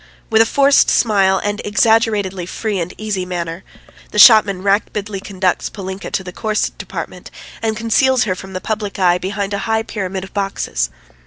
With a forced smile and exaggeratedly free and easy manner, the shopman rapidly conducts Polinka to the corset department and conceals her from the public eye behind a high pyramid of boxes.